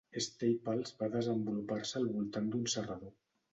Staples va desenvolupar-se al voltant d'un serrador.